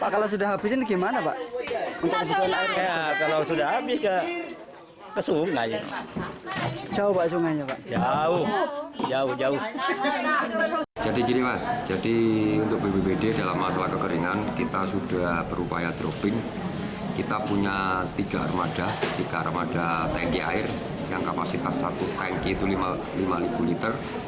kita punya tiga armada tangki air yang kapasitas satu tangki itu lima liter